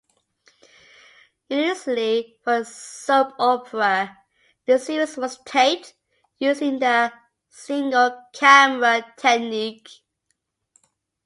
Unusually for a soap opera, the series was taped using the single camera technique.